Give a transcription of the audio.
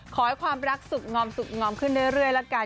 ขอให้ความรักสุขงอมสุขงอมขึ้นเรื่อยละกัน